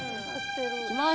いきます。